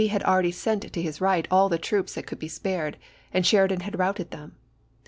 APPOMATTOX 177 had already sent to his right all the troops that chap. ix. could be spared, and Sheridan had routed them.